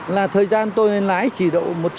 là thời gian tôi lái chỉ độ